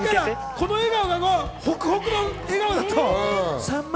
この笑顔はホクホクの笑顔だと。